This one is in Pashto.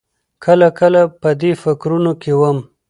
کله کله په دې فکرونو کې وم.